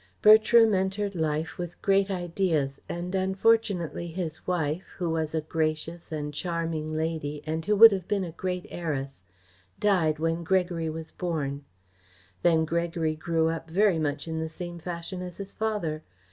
"Bertram entered life with great ideas, and unfortunately his wife, who was a gracious and charming lady, and who would have been a great heiress, died when Gregory was born. Then Gregory grew up very much in the same fashion as his father.